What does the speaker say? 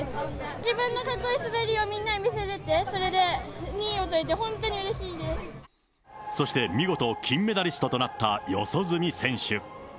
自分のかっこいい滑りをみんなに見せれて、それで２位を取れて、そして、見事金メダリストとなった四十住選手。